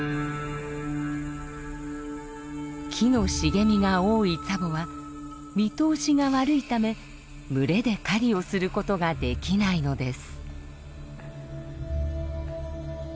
木の茂みが多いツァボは見通しが悪いため群れで狩りをすることができないのです。